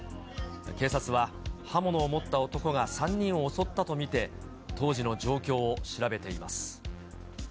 警察は、刃物を持った男が３人を襲ったと見て、当時の状況を調べています。